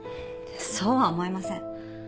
そうは思えません。